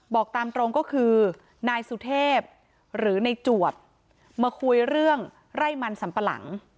บอกตามตรงก็คือนายสุเทพหรือในจวบมาคุยเรื่องไร่มันสัมปะหลัง